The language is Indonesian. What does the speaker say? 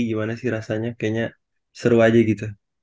gimana sih rasanya kayaknya seru aja gitu